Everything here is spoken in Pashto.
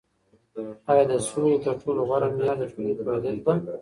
آیا د سولي تر ټولو غوره معیار د ټولني پوهیدل ده؟